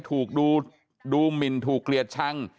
ถูกดูหมินถูกเกลียดชัง